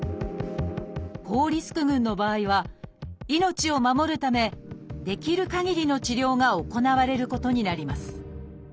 高リスク群の場合は命を守るためできるかぎりの治療が行われることになります。